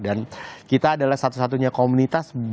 dan kita adalah satu satunya komunitas